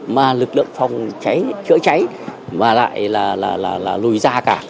mà lực lượng phòng cháy chữa cháy mà lại là lùi ra cả